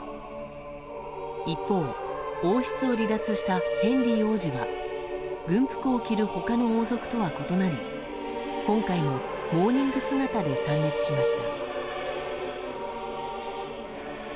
一方、王室を離脱したヘンリー王子は軍服を着る他の王族とは異なり今回もモーニング姿で参列しました。